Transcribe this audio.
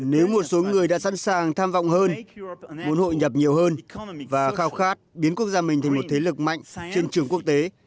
nếu một số người đã sẵn sàng tham vọng hơn muốn hội nhập nhiều hơn và khao khát biến quốc gia mình thành một thế lực mạnh trên trường quốc tế